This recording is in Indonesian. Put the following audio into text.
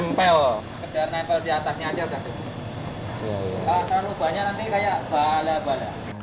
kalau terlalu banyak nanti kayak bala bala